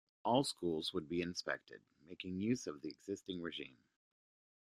All schools would be inspected, making use of the existing regime.